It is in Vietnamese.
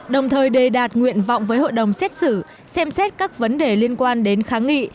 đồng thời đề đạt nguyện vọng với hội đồng xét xử xem xét các vấn đề liên quan đến kháng nghị